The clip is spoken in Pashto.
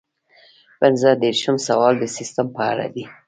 پنځه دېرشم سوال د سیسټم په اړه دی.